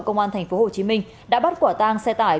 công an tp hcm đã bắt quả tang xe tải